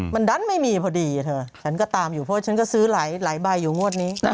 มันดันไม่มีพอดีเธอฉันก็ตามอยู่เพราะฉันก็ซื้อหลายใบอยู่งวดนี้